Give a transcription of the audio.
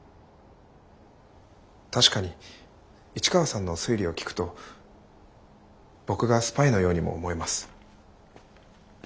確かに市川さんの推理を聞くと僕がスパイのようにも思えます。